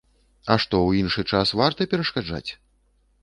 А што, у іншы час варта перашкаджаць?